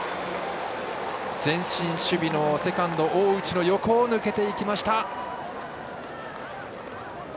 前進守備のセカンド、大内の横を抜けていきました。